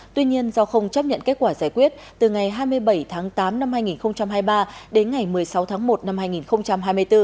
tuy nhiên do không chấp nhận kết quả giải quyết từ ngày hai mươi bảy tháng tám năm hai nghìn hai mươi ba đến ngày một mươi sáu tháng một năm hai nghìn hai mươi bốn